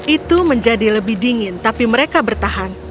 itu menjadi lebih dingin tapi mereka bertahan